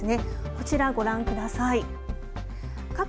こちら、ご覧ください。